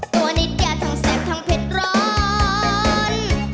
ตัวนิดเดียทั้งแสบทั้งเผ็ดร้อน